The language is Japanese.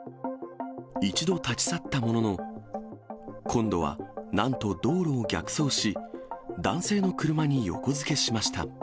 一度、立ち去ったものの、今度はなんと道路を逆走し、男性の車に横付けしました。